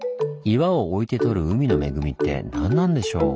岩を置いて取る海の恵みって何なんでしょう？